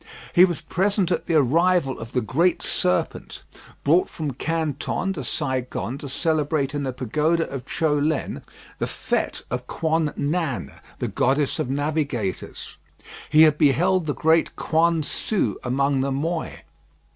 He was present at the arrival of the Great Serpent brought from Canton to Saigon to celebrate in the pagoda of Cho len the fête of Quan nam, the goddess of navigators. He had beheld the great Quan Sû among the Moi.